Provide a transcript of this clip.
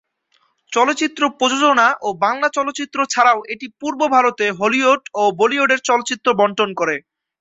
চলচ্চিত্র প্রযোজনা ও বাংলা চলচ্চিত্র ছাড়াও এটি পূর্ব ভারতে হলিউড ও বলিউডের চলচ্চিত্র বণ্টন করে।